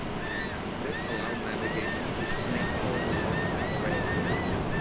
This allowed navigation to Snakeholme Lock, away.